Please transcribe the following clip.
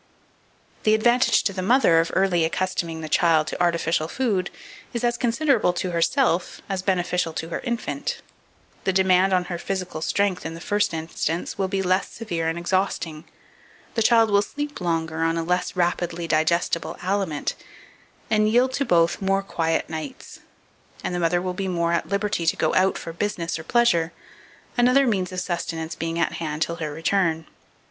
2489. The advantage to the mother of early accustoming the child to artificial food is as considerable to herself as beneficial to her infant; the demand on her physical strength in the first instance will be less severe and exhausting, the child will sleep longer on a less rapidly digestible aliment, and yield to both more quiet nights, and the mother will be more at liberty to go out for business or pleasure, another means of sustenance being at hand till her return.